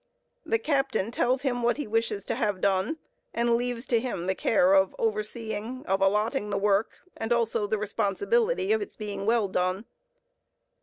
The captain tells him what he wishes to have done, and leaves to him the care of overseeing, of allotting the work, and also the responsibility of its being well done.